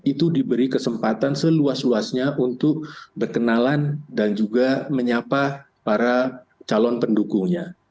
itu diberi kesempatan seluas luasnya untuk berkenalan dan juga menyapa para calon pendukungnya